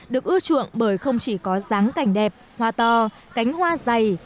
được ưa chuộng bởi không chỉ có ráng cảnh đẹp hoa to cánh hoa dày